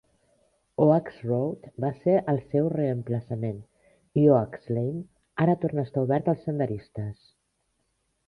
Oaks Road va ser el seu reemplaçament i Oaks Lane ara torna a estar obert als senderistes.